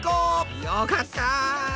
よかった！